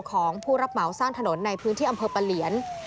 ของผู้รับเหมาสร้างถนนในพื้นที่อำเภอปะเหลียน